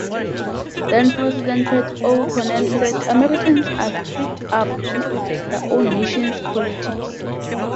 Then-president Pat O'Connell said Americans are fed up with their own nation's politics.